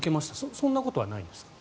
そんなことはないですか？